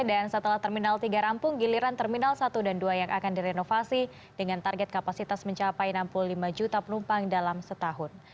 dan setelah terminal tiga rampung giliran terminal satu dan dua yang akan direnovasi dengan target kapasitas mencapai enam puluh lima juta penumpang dalam setahun